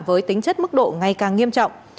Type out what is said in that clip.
với tính chất mức độ ngày càng nghiêm trọng